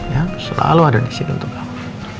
ya selalu ada di sini untuk kamu